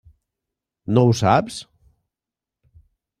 No ho saps?